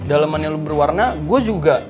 dalaman yang lu berwarna gue juga